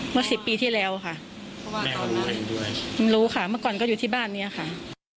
เมื่อ๑๐ปีที่แล้วค่ะรู้ค่ะเมื่อก่อนก็อยู่ที่บ้านนี้ค่ะ